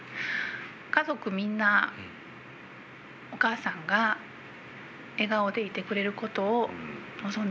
家族みんなお母さんが笑顔でいてくれることを望んでいます。